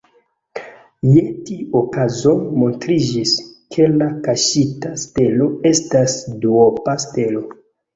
Je tiu okazo, montriĝis, ke la kaŝita stelo estas duopa stelo.